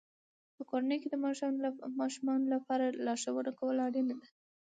په کورنۍ کې د ماشومانو لپاره لارښوونه کول اړینه ده.